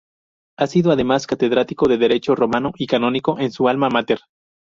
Ha sido además catedrático de derecho romano y canónico en su alma mater.